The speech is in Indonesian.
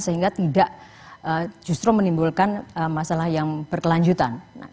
sehingga tidak justru menimbulkan masalah yang berkelanjutan